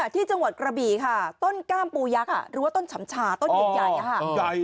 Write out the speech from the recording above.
ที่จังหวัดกระบี่ค่ะต้นกล้ามปูยักษ์หรือว่าต้นฉ่ำชาต้นใหญ่